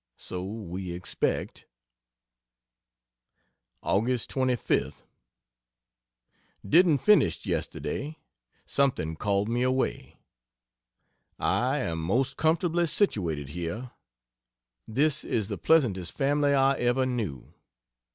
So we expect..... Aug. 25th. Didn't finish yesterday. Something called me away. I am most comfortably situated here. This is the pleasantest family I ever knew.